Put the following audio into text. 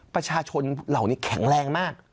ประชาชนเหล่านี้แข็งแรงมาก